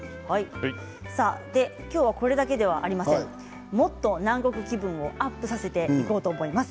今日、これだけではありませんもっと南国気分をアップさせていこうと思います。